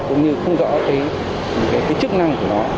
cũng như không rõ chức năng của nó